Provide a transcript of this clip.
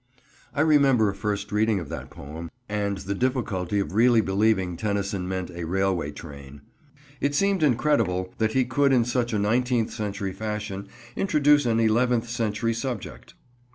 I remember a first reading of that poem, and the difficulty of really believing Tennyson meant a railway train. It seemed incredible that he could in such a nineteenth century fashion introduce an eleventh century subject.